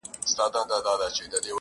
چي پاڼه وشړېدل.